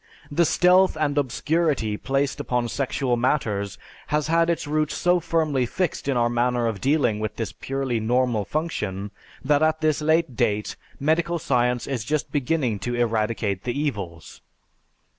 The stealth and obscurity placed upon sexual matters has had its roots so firmly fixed in our manner of dealing with this purely normal function, that at this late date medical science is just beginning to eradicate the evils.